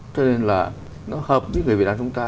cho nên là nó hợp với người việt nam chúng ta